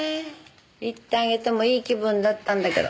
行ってあげてもいい気分だったんだけど。